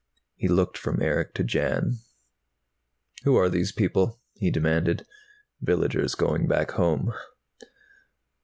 He looked from Erick to Jan. "Who are these people?" he demanded. "Villagers going back home."